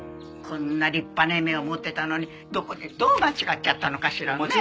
こんな立派な夢を持ってたのにどこでどう間違っちゃったのかしらね？